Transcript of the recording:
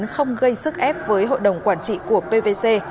không gây sức ép với hội đồng quản trị của pvc